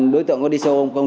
đối tượng có đi xe hôm không